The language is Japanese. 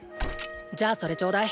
じゃあそれちょうだい。